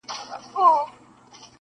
o ګرفتار دي په غمزه یمه له وخته,